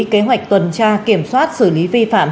kế hoạch tuần tra kiểm soát xử lý vi phạm